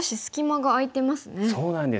そうなんです。